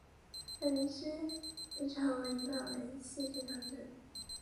而师云砵桥一段为四线双程。